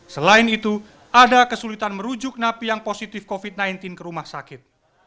selain itu ada kesulitan merujuk napi yang positif covid sembilan belas ke rumah sakit